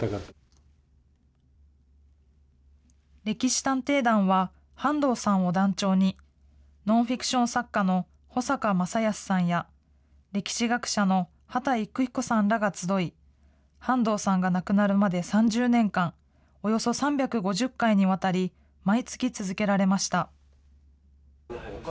歴史探偵団は、半藤さんを団長に、ノンフィクション作家の保阪正康さんや、歴史学者の秦郁彦さんらが集い、半藤さんが亡くなるまで３０年間、およそ３５０回にわたり、毎月続けられました。